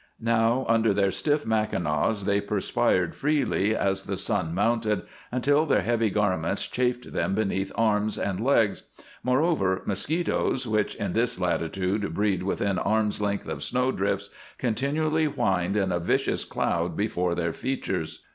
Now, under their stiff mackinaws they perspired freely as the sun mounted, until their heavy garments chafed them beneath arms and legs. Moreover, mosquitoes, which in this latitude breed within arm's length of snow drifts, continually whined in a vicious cloud before their features.